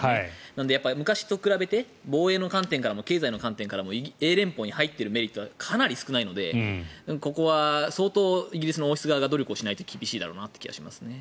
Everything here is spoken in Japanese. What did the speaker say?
なので、昔と比べて防衛の観点からも経済の観点からも英連邦に入っているメリットはかなり少ないのでここは相当、イギリスの王室側が努力しないと厳しいだろうなという気がしますね。